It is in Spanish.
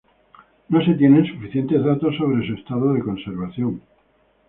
No se tienen suficientes datos sobre su estado de conservación.